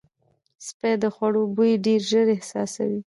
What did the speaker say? سپي د خوړو بوی ډېر ژر احساسوي.